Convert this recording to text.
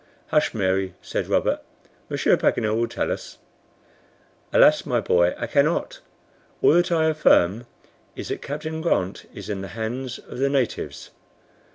"Hush, Mary," said Robert, "Monsieur Paganel will tell us." "Alas! my boy, I cannot. All that I affirm is, that Captain Grant is in the hands of the natives."